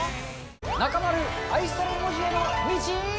中丸、愛され文字への道。